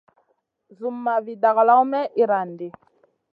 Zumma vi dagalawn may iyran ɗi.